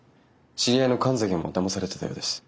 知り合いの神崎もだまされてたようです。